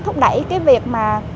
thúc đẩy cái việc mà